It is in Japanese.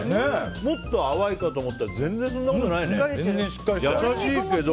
もっと淡いかと思ったら全然そんなことないね。